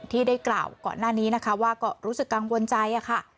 ที่ได้กล่าวก่อนหน้านี้นะคะว่าก็รู้สึกกังวลใจค่ะ